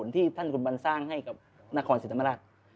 ที่ท่านคุณบัลสร้างให้กับนครสิทธิ์ธรรมรัฐ